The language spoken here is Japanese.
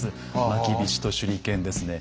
まきびしと手裏剣ですね。